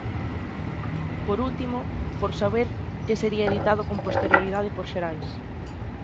Por último, por saber que sería editado con posterioridade por Xerais.